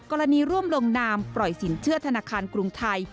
กรณีร่วมลงนามปล่อยสินเชื่อธนาคารกรุงไทย